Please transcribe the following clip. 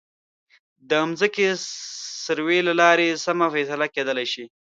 د ځمکې سروې له لارې سمه فیصله کېدلی شي.